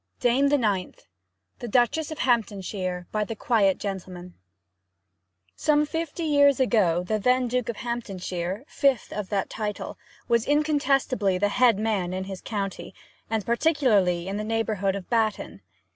DAME THE NINTH THE DUCHESS OF HAMPTONSHIRE By the Quiet Gentleman Some fifty years ago, the then Duke of Hamptonshire, fifth of that title, was incontestibly the head man in his county, and particularly in the neighbourhood of Batton.